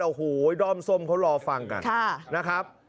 โอ้โหด้อมส้มเขารอฟังกันนะครับ